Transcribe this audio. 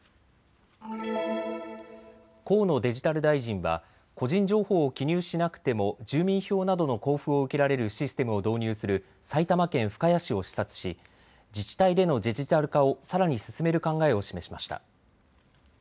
河野デジタル大臣は個人情報を記入しなくても住民票などの交付を受けられるシステムを導入する埼玉県深谷市を視察し自治体でのデジタル化をさらに進める考えを示しました。